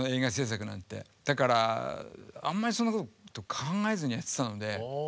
だからあんまりそんなこと考えずにやってたので。